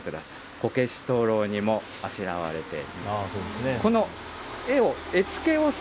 こけし灯ろうにもあしらわれています。